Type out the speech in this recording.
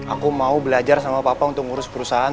aku mau belajar sama papa untuk ngurus perusahaan